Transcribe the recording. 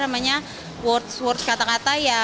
yang menunjukkan kembali ke dalam hidup kita